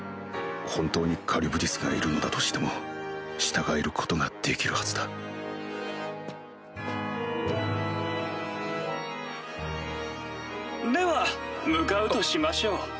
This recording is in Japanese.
本当にカリュブディスがいるんだとしても従えることができるはずだでは向かうとしましょう。